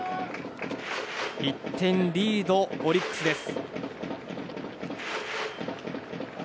１点リード、オリックスです。